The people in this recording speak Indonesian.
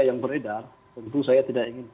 yang beredar tentu saya tidak ingin